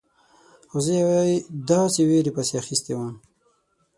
او زه یوې داسې ویرې پسې اخیستی وم.